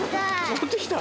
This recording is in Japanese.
持ってきたん？